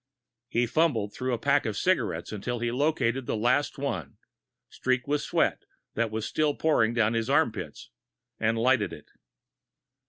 He fumbled through a pack of cigarettes until he located the last one, streaked with sweat that was still pouring down from his armpit, and lighted it.